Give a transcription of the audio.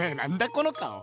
この顔。